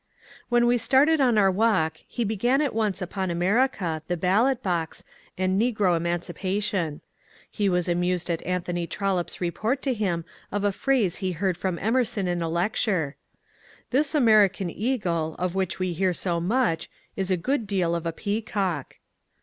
When we started on our walk he began at once upon America, the ballot box, and negro emancipation. He was amused at Anthony TroUope^s report to him of a phrase he heard from Emerson in a lecture, —^ This American eagle, of which we hear so much, is a good deal of a peacock."